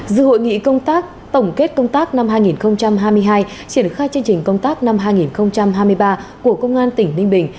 dự hội nghị công tác tổng kết công tác năm hai nghìn hai mươi hai triển khai chương trình công tác năm hai nghìn hai mươi ba của công an tỉnh ninh bình